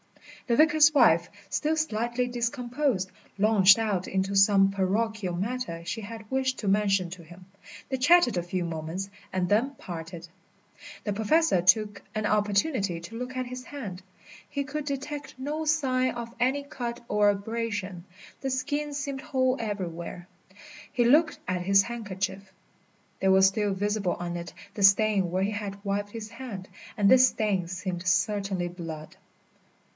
The vicar's wife, still slightly discomposed, launched out into some parochial matter she had wished to mention to him. They chatted a few moments and then parted. The Professor took an opportunity to look at his hand. He could detect no sign of any cut or abrasion, the skin seemed whole everywhere. He looked at his handkerchief. There was still visible on it the stain where he had wiped his hand, and this stain seemed certainly blood.